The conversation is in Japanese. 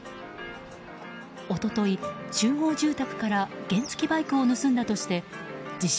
一昨日、集合住宅から原付きバイクを盗んだとして自称